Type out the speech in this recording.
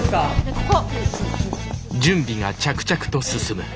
ここ。